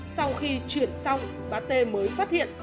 sau khi chuyển xong bà tê mới phát hiện